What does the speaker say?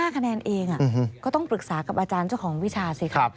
คะแนนเองก็ต้องปรึกษากับอาจารย์เจ้าของวิชาสิครับ